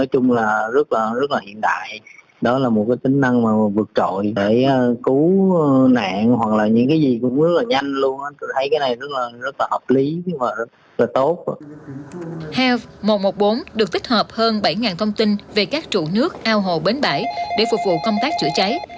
heo một trăm một mươi bốn được tích hợp hơn bảy thông tin về các trụ nước ao hồ bến bãi để phục vụ công tác chữa cháy